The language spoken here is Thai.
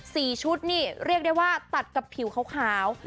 ชุดนี่เรียกได้ว่าตัดกับผิวขาว